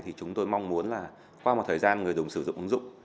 thì chúng tôi mong muốn là qua một thời gian người dùng sử dụng ứng dụng